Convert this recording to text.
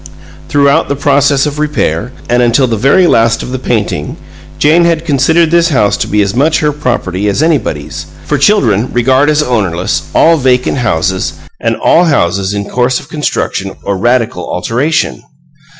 Throughout the process of repair, and until the very last of the painting, Jane had considered this house to be as much her property as anybody's; for children regard as ownerless all vacant houses and all houses in course of construction or radical alteration.